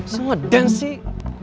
se ngedance sih